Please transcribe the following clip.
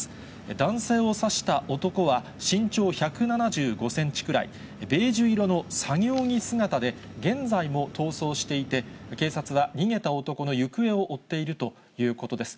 男性を刺した男は、身長１７５センチくらい、ベージュ色の作業着姿で、現在も逃走していて、警察は逃げた男の行方を追っているということです。